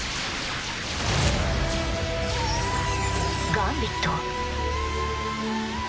ガンビット？